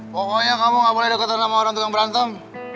pokoknya kamu gak boleh dekat sama orang tukang berantem